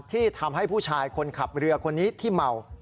ที่ทำให้ผู้ชายคนขับเรือคนนี้ที่เมา